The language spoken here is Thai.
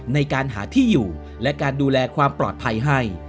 ในการหาที่อยู่และการดูแลความปลอดภัยให้